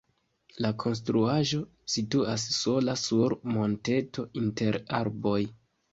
La konstruaĵo situas sola sur monteto inter arboj.